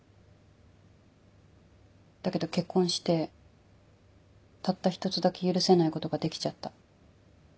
だけど結婚してたった１つだけ許せないことができちゃった。